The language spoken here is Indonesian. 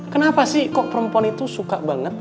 kenapa sih kok perempuan itu suka banget